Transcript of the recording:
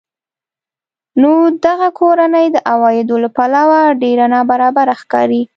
نو دغه کورنۍ د عوایدو له پلوه ډېره نابرابره ښکاري